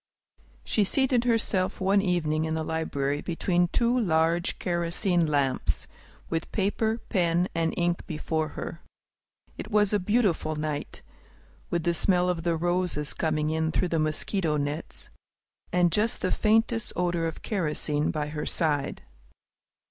She seated herself one evening in the library, between two large kerosene lamps, with paper, pen, and ink before her. It was a beautiful night, with the smell of the roses coming in through the mosquito nets, and just the faintest odor of kerosene by her side.